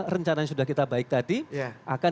rencana yang sudah kita baik tadi akan